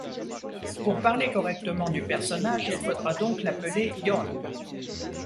Pour parler correctement du personnage il faudra donc l'appeler Jón.